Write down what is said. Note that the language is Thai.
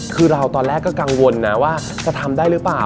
คือเราตอนแรกก็กังวลนะว่าจะทำได้หรือเปล่า